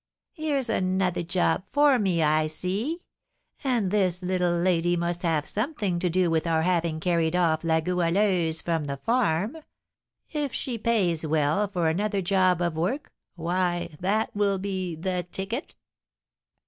"Here's another job for me, I see; and this little lady must have something to do with our having carried off La Goualeuse from the farm. If she pays well for another job of work, why, that will be 'the ticket.'"